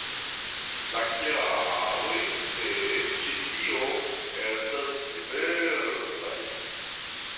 La kialoj de ĉi tio estas diversaj.